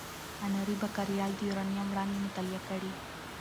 انري بکرېل د یورانیم وړانګې مطالعه کړې.